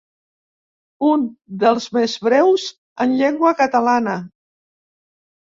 Un dels més breus en llengua catalana.